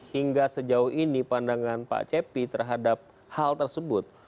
hingga sejauh ini pandangan pak cepi terhadap hal tersebut